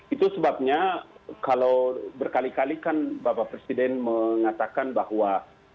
itu sebabnya kalau berkali kali kan bapak presiden mengatakan bahwa